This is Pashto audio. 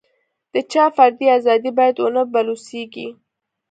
د چا فردي ازادي باید ونه بلوسېږي.